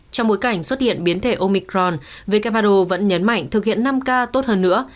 trong bối cảnh xuất hiện biến thể omicron who vẫn nhấn mạnh thực hiện năm k tốt hơn nữa